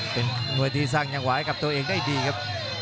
เป็นมวยที่สร้างจังหวะให้กับตัวเองได้ดีครับ